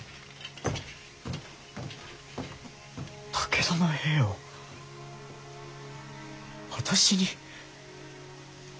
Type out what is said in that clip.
武田の兵を私に？